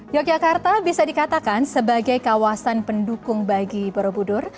yogyakarta bisa dikatakan sebagai kawasan pendukung bagi borobudur